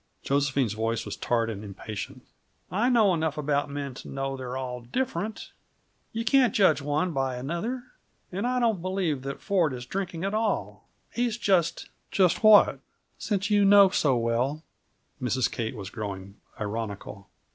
Josephine's voice was tart and impatient. "I know enough about men to know they're all different. You can't judge one by another. And I don't believe that Ford is drinking at all. He's just " "Just what? since you know so well!" Mrs. Kate was growing ironical.